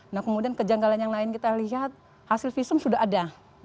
nah kemudian kejanggalan yang lain kita lihat hasil visum sudah ada